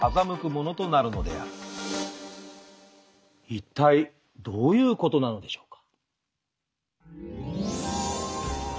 一体どういうことなのでしょうか？